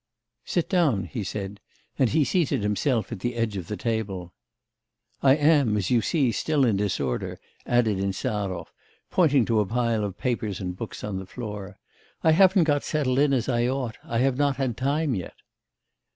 'Sit down,' he said, and he seated himself on the edge of the table. 'I am, as you see, still in disorder,' added Insarov, pointing to a pile of papers and books on the floor, 'I haven't got settled in as I ought. I have not had time yet.